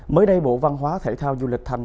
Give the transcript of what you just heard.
mới đây bộ văn hóa thể thao du lịch thành